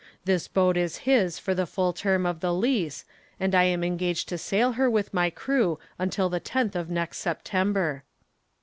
"This boat is his for the full term of the lease and I am engaged to sail her with my crew until the tenth of next September."